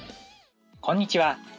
こんにちは。